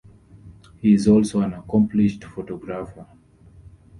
He is also an accomplished photographer.